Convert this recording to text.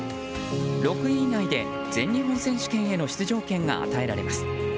６位以内で全日本選手権への出場権が与えられます。